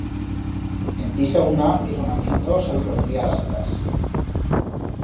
En pisa una y romanciando sale con o piet a rastras.